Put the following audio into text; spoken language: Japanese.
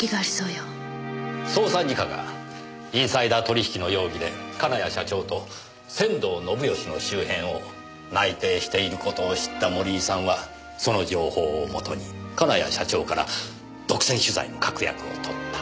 捜査二課がインサイダー取引の容疑で金谷社長と仙道信義の周辺を内偵している事を知った森井さんはその情報をもとに金谷社長から独占取材の確約を取った。